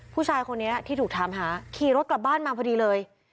ผู้ชายคนนี้ที่ถูกถามหาขี่รถกลับบ้านมาพอดีเลย